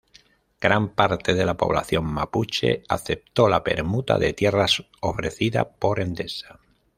Gran parte de la población mapuche aceptó la permuta de tierras ofrecida por Endesa.